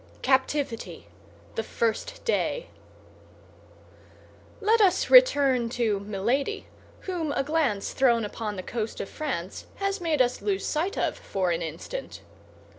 CAPTIVITY: THE FIRST DAY Let us return to Milady, whom a glance thrown upon the coast of France has made us lose sight of for an instant.